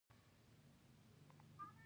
پیشو مې خپلې سترګې رپوي.